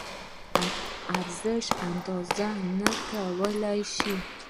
ارزش اندازه نه کولی شو.